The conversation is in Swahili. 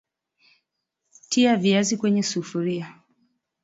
tia viazi kwenye sufuri